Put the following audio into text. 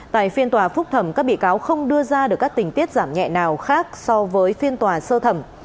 tại phiên tòa phúc thẩm các bị cáo không đưa ra được các tình tiết giảm nhẹ nào khác so với phiên tòa sơ thẩm